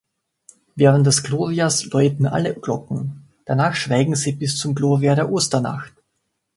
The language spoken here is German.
Während des Glorias läuten alle Glocken; danach schweigen sie bis zum Gloria der Osternacht.